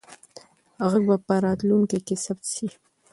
غږ به په راتلونکي کې ثبت سي.